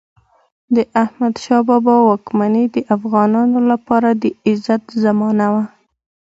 د احمدشاه بابا واکمني د افغانانو لپاره د عزت زمانه وه.